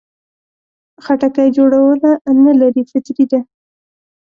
خټکی جوړونه نه لري، فطري ده.